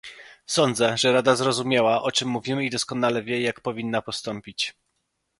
Sądzę, że Rada zrozumiała o czym mówimy i doskonale wie, jak powinna postąpić